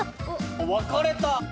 分かれた！